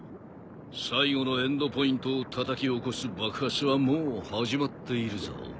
最後のエンドポイントをたたき起こす爆発はもう始まっているぞ。